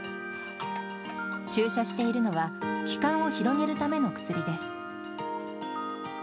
注射しているのは、気管を広げるための薬です。